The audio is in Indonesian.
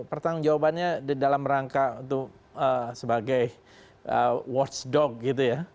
pertanggung jawabannya dalam rangka untuk sebagai watchdog gitu ya